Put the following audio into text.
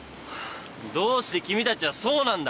どうして君たちはそうなんだ。